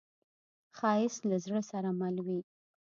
ښایست له زړه سره مل وي